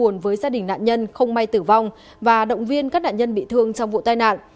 nạn nhân không may tử vong và động viên các nạn nhân bị thương trong vụ tai nạn